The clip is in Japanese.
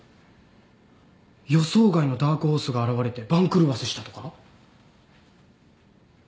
予想外のダークホースが現れて番狂わせしたとか？